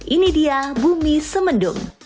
ini dia bumi semenndung